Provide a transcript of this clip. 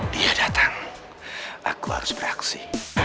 dia datang aku harus beraksi